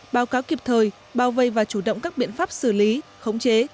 báo cáo kịp thời bao vây và chủ động các biện pháp xử lý khống chế